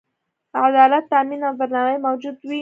عدالت تأمین او درناوی موجود وي.